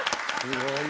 すごい。